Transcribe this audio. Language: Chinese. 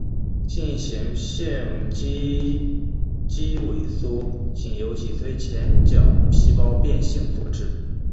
进行性脊肌萎缩仅由脊髓前角细胞变性所致。